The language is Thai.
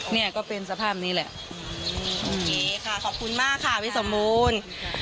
เนี่ยก็เป็นสภาพนี้แหละโอเคค่ะขอบคุณมากค่ะพี่สมบูรณ์